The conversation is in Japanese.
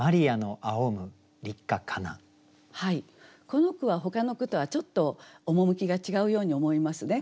この句はほかの句とはちょっと趣が違うように思いますね。